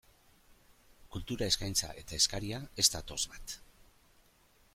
Kultura eskaintza eta eskaria ez datoz bat.